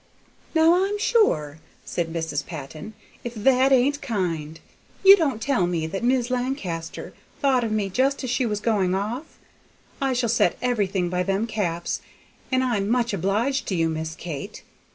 "Now I'm sure!" said Mrs. Patton, "if that ain't kind; you don't tell me that Mis' Lancaster thought of me just as she was going off? I shall set everything by them caps, and I'm much obliged to you too, Miss Kate.